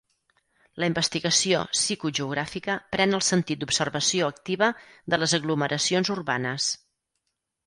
La investigació psicogeogràfica pren el sentit d'observació activa de les aglomeracions urbanes.